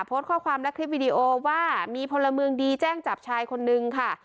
โพสต์ข้อความและคลิปวิดีโอว่ามีพลเมืองดีแจ้งจับชายคนนึงค่ะ